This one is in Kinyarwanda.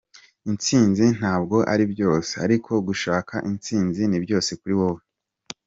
Intsinzi ntabwo ari byose, ariko gushaka Intsinzi ni byose kuri wowe.